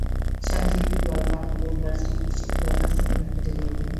স্বামীজী একটু জল পান করিয়া গ্লাসটি শিষ্যকে যথাস্থানে রাখিতে বলিলেন।